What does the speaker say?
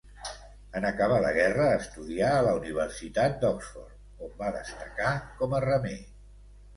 En acabar la guerra estudià a la Universitat d'Oxford, on va destacar com a remer.